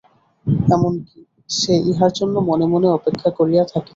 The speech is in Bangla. এমন-কি, সে ইহার জন্য মনে মনে অপেক্ষা করিয়া থাকিত।